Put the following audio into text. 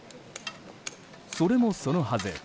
それもそのはず